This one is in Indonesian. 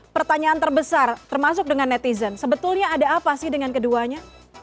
pertanyaan terbesar termasuk dengan netizen sebetulnya ada apa sih dengan keduanya